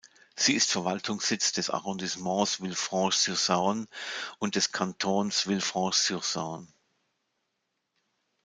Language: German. Sie ist Verwaltungssitz des Arrondissements Villefranche-sur-Saône und des Kantons Villefranche-sur-Saône.